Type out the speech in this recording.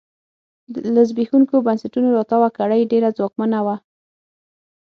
له زبېښونکو بنسټونو راتاوه کړۍ ډېره ځواکمنه وه.